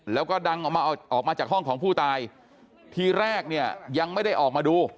แล้วก็ดังออกมาเอาออกมาจากห้องของผู้ตายทีแรกเนี่ยยังไม่ได้ออกมาดู